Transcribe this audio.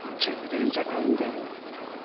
冗談じゃないんだよ。